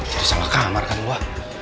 cari sama kamar kan gua